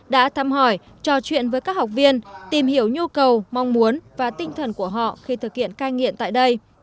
đã thăm hỏi trò chuyện với các học viên tìm hiểu nhu cầu mong muốn và tinh thần của họ khi thực hiện cai nghiện tại đây